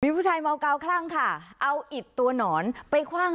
ผู้ชายเมากาวคลั่งค่ะเอาอิดตัวหนอนไปคว่าง